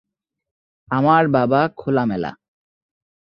আমার বাবা খোলামেলা।